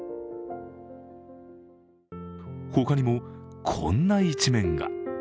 他にも、こんな一面が。